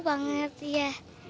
seru banget ya